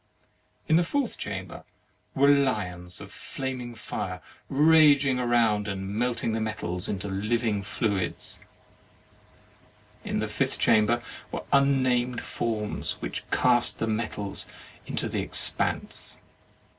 In the fourth chamber were lions 27 THE MARRIAGE OF of flaming fire raging around and melting the metals into living fluids. In the fifth chamber were unnamed forms, which cast the metals into the expanse.